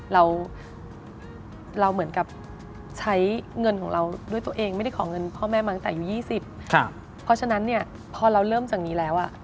เราเราเหมือนกับใช้เงินของเราด้วยตัวเองไม่ได้ขอเงินพ่อแม่มาตั้งแต่อายุ๒๐เพราะฉะนั้นเนี่ยพอเราเริ่มจากนี้แล้วอ่ะ